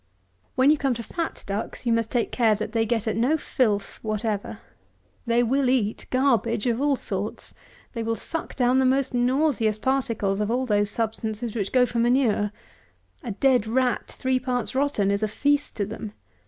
When you come to fat ducks, you must take care that they get at no filth whatever. They will eat garbage of all sorts; they will suck down the most nauseous particles of all those substances which go for manure. A dead rat three parts rotten is a feast to them.